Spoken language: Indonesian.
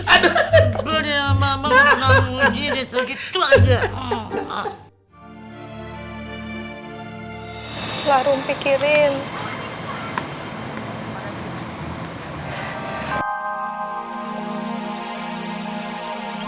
aduh anjur aduh